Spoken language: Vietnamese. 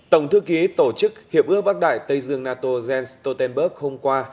tổng thư ký tổ chức hiệp ước bắc đại tây dương nato jens stoltenberg hôm qua